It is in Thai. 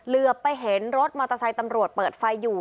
เหลือไปเห็นรถมอเตอร์ไซค์ตำรวจเปิดไฟอยู่